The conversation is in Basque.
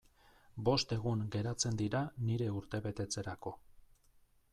Bost egun geratzen dira nire urtebetetzerako.